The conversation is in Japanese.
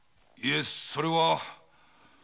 いえそれは。